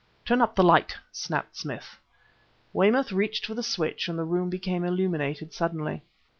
"Turn up the light!" snapped Smith. Weymouth reached for the switch, and the room became illuminated suddenly.